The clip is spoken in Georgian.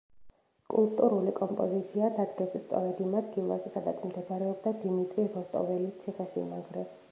სკულპტურული კომპოზიცია დადგეს სწორედ იმ ადგილას სადაც მდებარეობდა დიმიტრი როსტოველის ციხესიმაგრე.